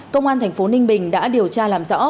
công an thành phố ninh bình đã điều tra làm rõ